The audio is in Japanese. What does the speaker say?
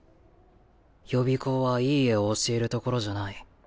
予備校はいい絵を教える所じゃない。